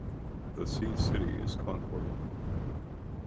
The see city is Concord.